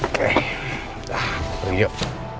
oke dah pergi yuk